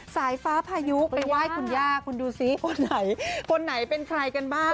สายฟ้าพายุไปไหว้คุณย่าคุณดูสิคนไหนคนไหนเป็นใครกันบ้าง